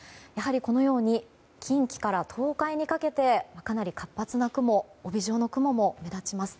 このように近畿から東海にかけてかなり活発な雲帯状の雲も目立ちます。